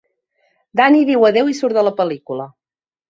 Danny diu adéu i surt de la pel·lícula.